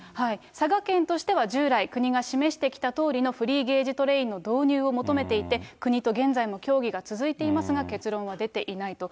佐賀県としては、従来、国が示してきたとおりのフリーゲージトレインの導入を求めていて、国と現在も協議が続いていますが、結論は出ていないと。